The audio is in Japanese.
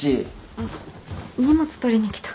あっ荷物取りに来た。